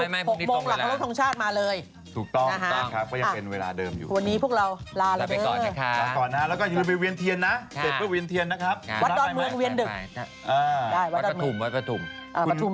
ไม่วันศุกร์๖โมงหลังจากครัวลูกทรงชาติมาเลยนะฮะนะฮะก็ยังเป็นเวลาเดิมอยู่